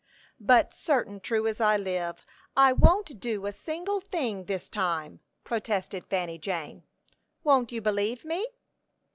"But, certain true as I live, I won't do a single thing this time," protested Fanny Jane. "Won't you believe me?"